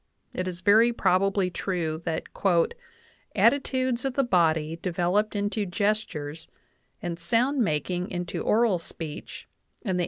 It is very probably true that "attitudes of the body developed into gestures, and sound making into oral speech, and the.